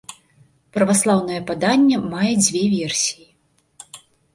Праваслаўнае паданне мае дзве версіі.